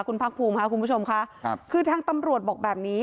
คุณพักภูมิค่ะคุณผู้ชมค่ะครับคือทางตำรวจบอกแบบนี้